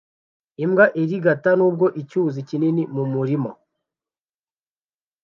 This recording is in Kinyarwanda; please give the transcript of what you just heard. Imbwa irigata nubwo icyuzi kinini mumurima